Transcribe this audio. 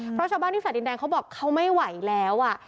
เพราะชาวบ้านที่ฝ่าดินแดงเขาบอกเขาไม่ไหวแล้ว